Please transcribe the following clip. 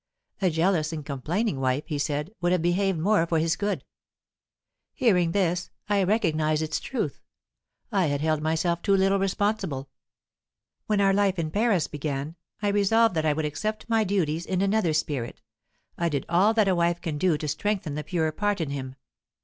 A jealous and complaining wife, he said, would have behaved more for his good. Hearing this, I recognized its truth. I had held myself too little responsible. When our life in Paris began, I resolved that I would accept my duties in another spirit I did all that a wife can do to strengthen the purer part in him.